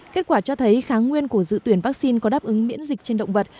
kết quả cho thấy kháng nguyên của dự tuyển vaccine có đáp ứng miễn dịch trên động vật